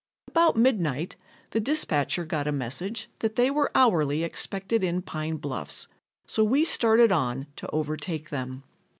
About midnight the dispatcher got a message that they were hourly expected in Pine Bluffs, so we started on to overtake them.